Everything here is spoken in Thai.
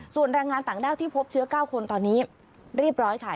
ส่วนแรงงานต่างด้าวที่พบเชื้อ๙คนตอนนี้เรียบร้อยค่ะ